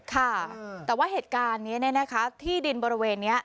ค่ะแต่ว่าเหตุการณ์นี้ที่ดินบริเวณนี้